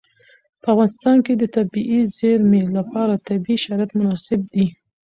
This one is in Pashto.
په افغانستان کې د طبیعي زیرمې لپاره طبیعي شرایط مناسب دي.